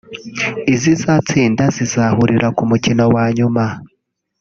izizatsinda zizahurira ku mukino wa nyuma